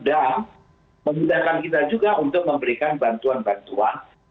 dan memudahkan kita juga untuk memberikan bantuan bantuan